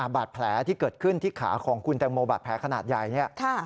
บาดแผลที่เกิดขึ้นที่ขาของคุณแตงโมบาดแผลขนาดใหญ่เนี่ย